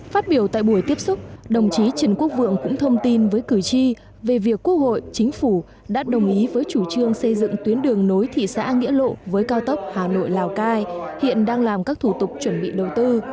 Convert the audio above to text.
phát biểu tại buổi tiếp xúc đồng chí trần quốc vượng cũng thông tin với cử tri về việc quốc hội chính phủ đã đồng ý với chủ trương xây dựng tuyến đường nối thị xã nghĩa lộ với cao tốc hà nội lào cai hiện đang làm các thủ tục chuẩn bị đầu tư